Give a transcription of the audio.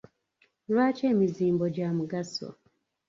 Lwaki emizimbo gya mugaso?